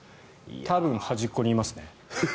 多分端っこにいますね。